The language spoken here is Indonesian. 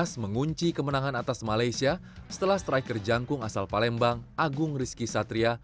mengunci kemenangan atas malaysia setelah striker jangkung asal palembang agung rizky satria